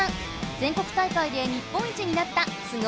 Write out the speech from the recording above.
全国大会で日本一になったスゴ